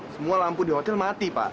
semua lampu di hotel mati pak